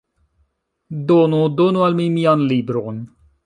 Donu! Donu al mi mian libron!